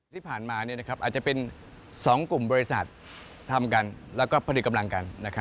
ที่ผ่านมาอาจจะเป็น๒กลุ่มบริษัททำกันแล้วก็ผลิตกำลังกัน